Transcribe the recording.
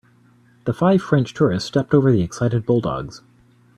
The five French tourists stepped over the excited bulldogs.